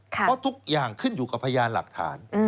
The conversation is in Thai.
เพราะทุกอย่างขึ้นอยู่กับพยานหลักฐาน